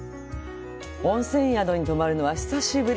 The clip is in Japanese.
温泉宿に泊まるのは久しぶり。